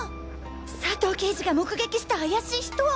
佐藤刑事が目撃した怪しい人！